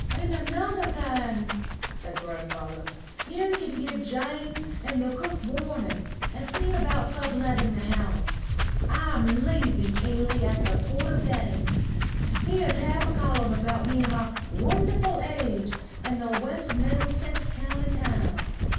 "And another thing," said grandfather, "you can give Jane and the cook warning, and see about sub letting the house. I'm leaving Ealing at the quarter day. Here's half a column about me and my wonderful age in the West Middlesex County Times.